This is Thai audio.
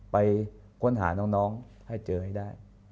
ไปค้นหาน้องให้เจอให้ได้